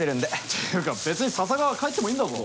ていうかべつに笹川は帰ってもいいんだぞ。